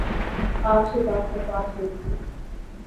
آپ سے بعد میں بات ہو گی۔